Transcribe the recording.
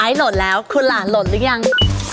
หล่นแล้วคุณหลานหล่นหรือยัง